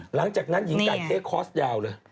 หลังจากนั้นหญิงไก่เทคคอร์สยาวเลย